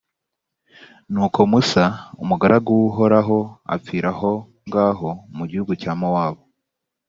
nuko musa, umugaragu w’uhoraho, apfira aho ngaho mu gihugu cya mowabu,